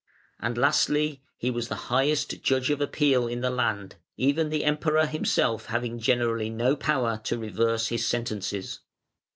And lastly, he was the highest Judge of Appeal in the land, even the Emperor himself having generally no power to reverse his sentences.